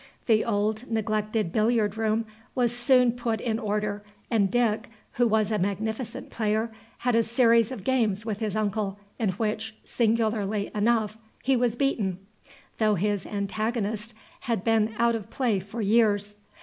The old neglected billiard room was soon put in order, and Dick, who was a magnificent player, had a series of games with his uncle, in which, singularly enough, he was beaten, though his antagonist had been out of play for years.